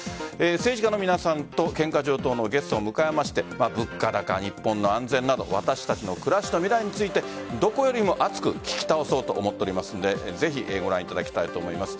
政治家の皆さんと喧嘩上等のゲストを迎えまして物価高、日本の安全など私たちの暮らしと未来についてどこよりも熱く聞き倒そうと思っておりますのでぜひご覧いただきたいと思います。